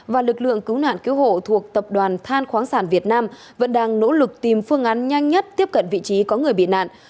và lực lượng cứu nạn cứu hộ thuộc tập đoàn than khoáng sản việt nam vẫn đang nỗ lực tìm phương án nhanh nhất tiếp cận vị trí có người bị nạn